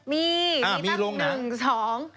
มีมีตั้ง๑๒